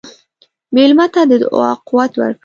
مېلمه ته د دعا قوت ورکړه.